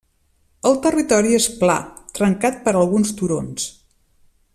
El territori és pla, trencat per alguns turons.